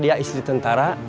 dia istri tentara